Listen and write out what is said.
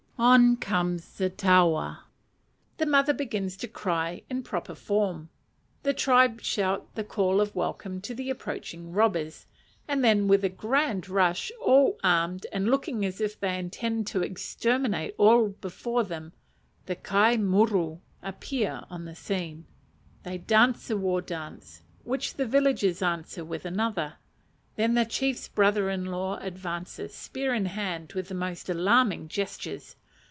On comes the taua. The mother begins to cry in proper form; the tribe shout the call of welcome to the approaching robbers; and then with a grand rush, all armed, and looking as if they intended to exterminate all before them, the kai muru appear on the scene. They dance the war dance, which the villagers answer with another. Then the chief's brother in law advances, spear in hand, with the most alarming gestures.